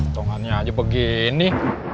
tungannya aja begini